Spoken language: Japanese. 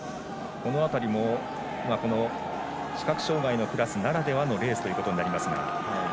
この辺りも視覚障がいのクラスならではのレースとなります。